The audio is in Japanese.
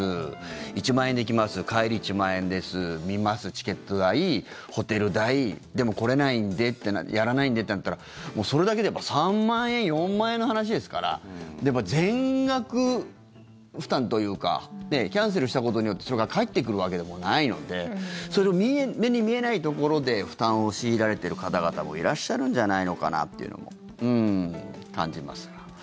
１万円で来ます、帰り１万円です見ます、チケット代、ホテル代でも、やらないんでってなったらもうそれだけで３万円、４万円の話ですから全額負担というかキャンセルしたことによってそれが返ってくるわけでもないので目に見えないところで負担を強いられている方々もいらっしゃるんじゃないのかなというのも感じますが。